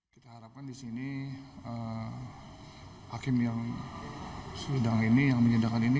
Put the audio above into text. kita harapkan disini hakim yang sedang ini yang menyedangkan ini